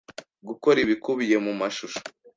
gukora ibikubiye mu mashusho